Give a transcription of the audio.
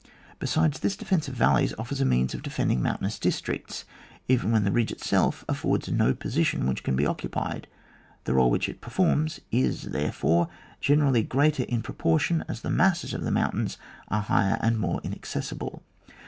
Besides, this defence of valleys offers a means of defending mountainous districts, even when the ridge itself affords no position which can be occupied ; the role which it performs is, therefore, generally greater in proportion as the masses of the moun tains are higher and more inaccessible.